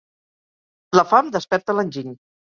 La fam desperta l'enginy.